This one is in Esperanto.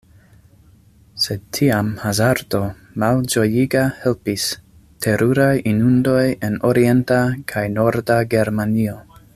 Sed tiam hazardo, malĝojiga, helpis: teruraj inundoj en orienta kaj norda Germanio.